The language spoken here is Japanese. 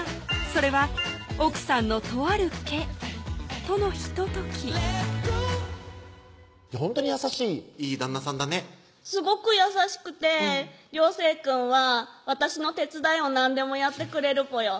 それは奥さんのとある毛とのひとときほんとに優しいいい旦那さんだねすごく優しくて椋生くんは私の手伝いを何でもやってくれるぽよ